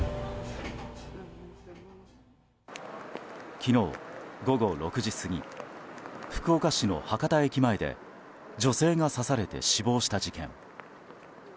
昨日午後６時過ぎ福岡市の博多駅前で女性が刺されて死亡した事件。